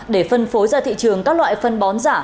để phân phối ra thị trường các loại phân bón giả